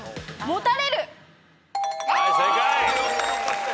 はい正解。